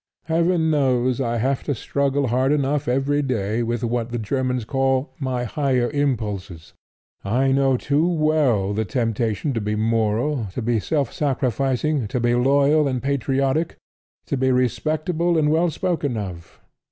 Heaven knows I have to struggle hard enough every day with what the Germans call my higher impulses. I know too well the temptation to be moral, to be self sacrificing, to be loyal and patriotic, to be respectable and well spoken of.